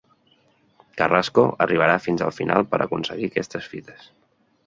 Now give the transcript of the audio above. Carrasco arribarà fins al final per aconseguir aquestes fites